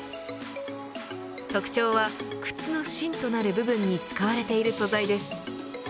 特徴は靴の芯となる部分に使われている素材です。